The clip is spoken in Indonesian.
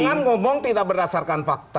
jangan ngomong tidak berdasarkan fakta